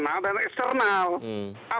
adakah di internal dan external